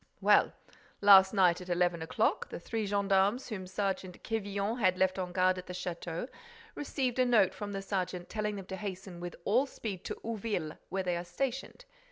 "Well, last night, at eleven o'clock, the three gendarmes whom Sergeant Quevillon had left on guard at the château received a note from the sergeant telling them to hasten with all speed to Ouville, where they are stationed.